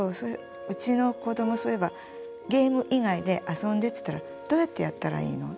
うちの子どもそういえば「ゲーム以外で遊んで」っつったら「どうやってやったらいいの？